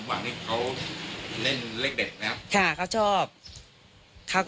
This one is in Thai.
เลขทะเบียนรถจากรยานยนต์